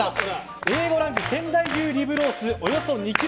Ａ５仙台牛リブロースおよそ２ｋｇ。